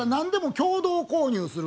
共同購入する。